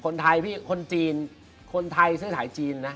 คนไทยพี่คนจีนคนไทยซื้อสายจีนนะ